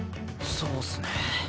そうっすね。